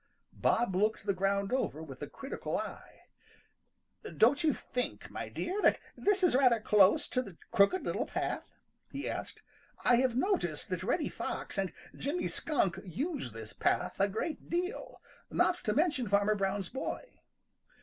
Bob looked the ground over with a critical eye. "Don't you think, my dear, that this is rather close to the Crooked Little Path?" he asked. "I have noticed that Reddy Fox and Timmy Skunk use this path a great deal, not to mention Farmer Brown's boy."